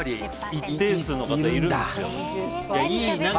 一定数の方いるんですよ。